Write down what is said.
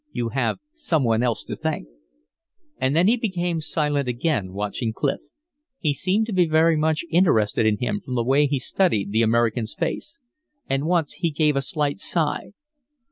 "You have some one else to thank." And then he became silent again, watching Clif. He seemed to be very much interested in him, from the way he studied the American's face. And once he gave a slight sigh.